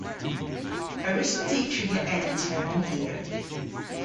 A wrussons i triga ena termyn hir?